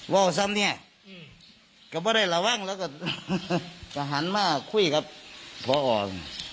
ว่าวซ้ำเนี่ยก็ไม่ได้ระวังแล้วก็หันมาคุยกับพอ